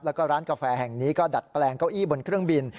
แล้วก็ร้านกาแฟแห่งนี้ก็ดัดแปลงเก้าอี้บนเครื่องบิน